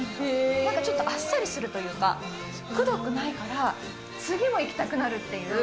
なんかちょっとあっさりするというか、くどくないから、次もいきたくなるっていう。